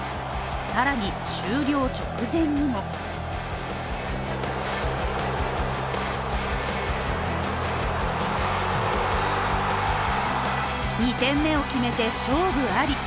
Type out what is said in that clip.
更に終了直前にも２点目を決めて勝負あり。